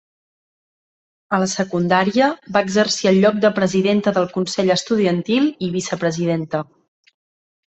A la secundària, va exercir el lloc de presidenta del consell estudiantil i vicepresidenta.